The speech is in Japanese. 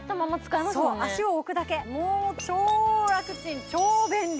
足を置くだけ、超楽ちん、超便利。